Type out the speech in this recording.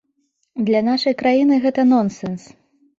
Для нашай краіны гэта нонсэнс.